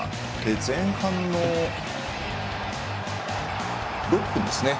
前半の６分ですね。